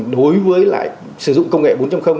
đối với lại sử dụng công nghệ bốn